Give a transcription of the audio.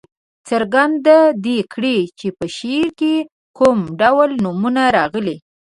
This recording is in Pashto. څرګنده دې کړي چې په شعر کې کوم ډول نومونه راغلي.